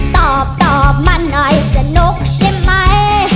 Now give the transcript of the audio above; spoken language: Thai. ตอบตอบมันหน่อยสนุกใช่มั้ย